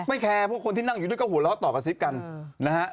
ไม่แคร์เพราะคนที่นั่งอยู่ด้วยเก้าหัวเล้าต่อกับซิปกันนะฮะ